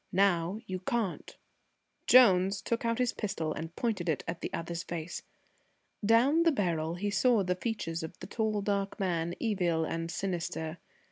Now you can't." Jones took his pistol out and pointed it at the other's face. Down the barrel he saw the features of the tall dark man, evil and sinister.